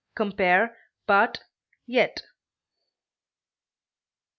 Compare BUT; YET.